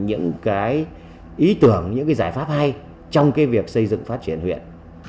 những cái ý tưởng những cái giải pháp hay trong cái việc xây dựng phát triển huyện